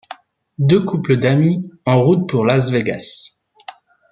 Deux couples d'amis, en route pour Las Vegas.